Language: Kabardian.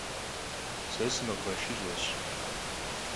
Se sımekhumeşşış'eş.